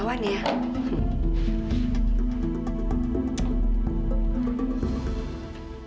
bisa jadi pahlawan ya